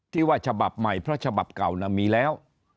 ที่ว่าฉบับใหม่เพราะฉบับเก่ามีแล้ว